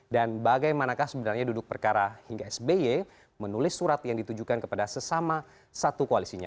dan bagaimana sebenarnya duduk perkara hingga sby menulis surat yang ditujukan kepada sesama satu koalisinya